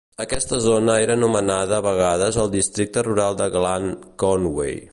Aquesta zona era anomenada a vegades el districte rural de Glan Conway.